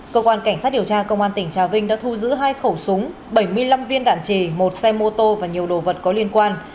cơ quan cảnh sát điều tra công an tỉnh trà vinh đã thu giữ hai khẩu súng bảy mươi năm viên đạn trì một xe mô tô và nhiều đồ vật có liên quan